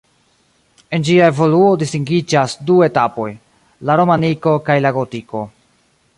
En ĝia evoluo distingiĝas du etapoj: la romaniko kaj la gotiko.